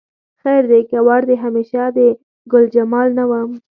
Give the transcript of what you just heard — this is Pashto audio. خیر دی که وړ دې همیشه د ګلجمال نه وم